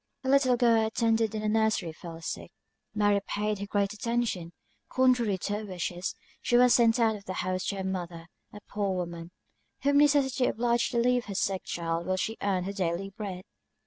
A little girl who attended in the nursery fell sick. Mary paid her great attention; contrary to her wish, she was sent out of the house to her mother, a poor woman, whom necessity obliged to leave her sick child while she earned her daily bread.